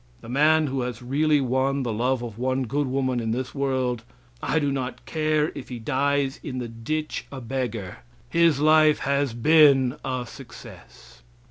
The man who has really won the love of one good woman in this world, I do not care if he dies in the ditch a beggar, his life has been a success.